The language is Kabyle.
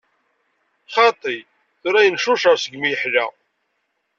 Xaṭi, tura yencucer segmi yeḥla.